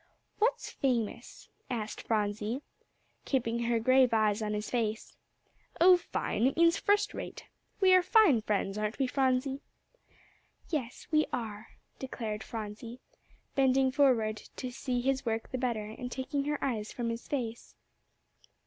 "What's famous?" asked Phronsie, keeping her grave eyes on his face. "Oh, fine; it means first rate. We are fine friends, aren't we, Phronsie?" "Yes, we are," declared Phronsie, bending forward to see his work the better, and taking her eyes from his face.